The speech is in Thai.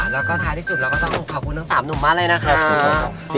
แล้วก็ท้ายที่สุดเราก็ต้องขอบคุณทั้ง๓หนุ่มมากเลยนะครับ